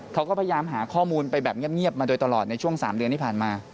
เขาก็พยายามหาข้อมูลไปแบบเงียบมาโดยตลอดในช่วง๓เดือนที่ผ่านมา